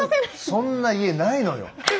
そんな家ないのよ。